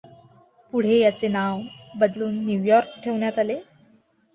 पुढे याचे नाव बदलुन न्यूयॉर्क ठेवण्यात आले.